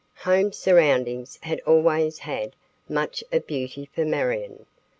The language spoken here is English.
Home surroundings had always had much of beauty for Marion.